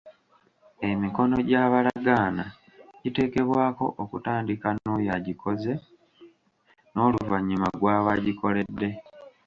Emikono gy'abalagaana giteekebwako okutandika n'oyo agikoze n'oluvannyuma gw'aba agikoledde.